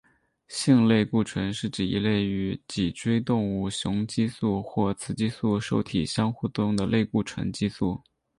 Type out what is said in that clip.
性类固醇是指一类与脊椎动物雄激素或雌激素受体相互作用的类固醇激素。